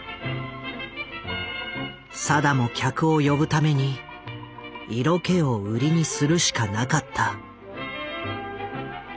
定も客を呼ぶために色気を売りにするしかなかった。